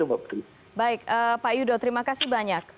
baik pak yudo terima kasih banyak